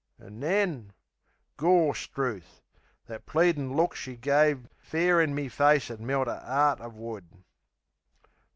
An' then Gorstrooth! The pleadin' look she gave Fair in me face 'ud melt a'eart o' wood.